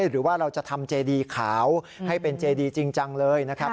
หรือว่าเราจะทำเจดีขาวให้เป็นเจดีจริงจังเลยนะครับ